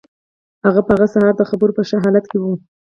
هغه په هغه سهار د خبرو په ښه حالت کې و